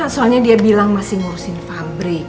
soalnya dia bilang masih ngurusin pabrik